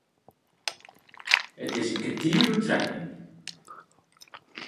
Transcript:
It is in kertier oer trijen.